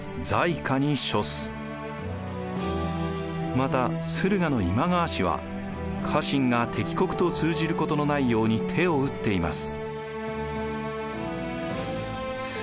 また駿河の今川氏は家臣が敵国と通じることのないように手を打っています。